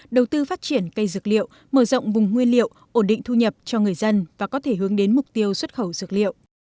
đầu tư phát triển cây dược liệu mở rộng vùng nguyên liệu ổn định thu nhập cho người dân và có thể hướng đến mục tiêu xuất khẩu dược liệu